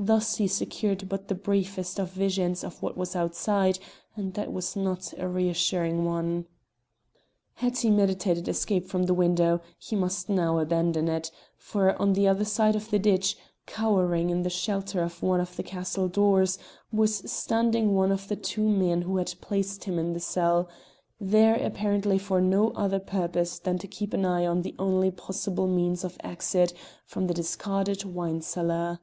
Thus he secured but the briefest of visions of what was outside, and that was not a reassuring one. Had he meditated escape from the window, he must now abandon it; for on the other side of the ditch, cowering in the shelter of one of the castle doors, was standing one of the two men who had placed him in the cell, there apparently for no other purpose than to keep an eye on the only possible means of exit from the discarded wine cellar.